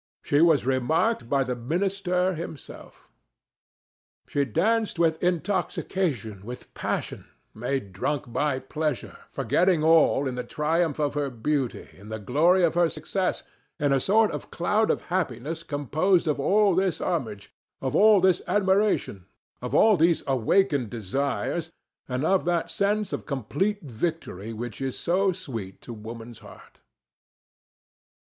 She was remarked by the minister himself. She danced with intoxication, with passion, made drunk by pleasure, forgetting all, in the triumph of her beauty, in the glory of her success, in a sort of cloud of happiness composed of all this homage, of all this admiration, of all these awakened desires, and of that sense of complete victory which is so sweet to woman's heart.